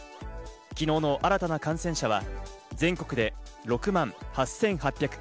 昨日の新たな感染者は全国で６万８８９４人。